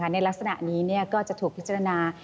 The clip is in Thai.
ในลักษณะนี้ก็จะถูกพิจารณา